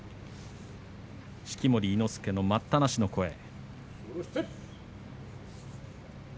式守伊之助の待ったなしの声。